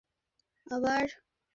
কী করবে আবার?